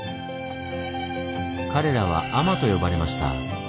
彼らは「海人」と呼ばれました。